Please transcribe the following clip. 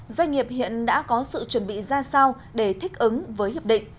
doanh nghiệp hiện đã có sự chuẩn bị ra sao để thích ứng với hiệp định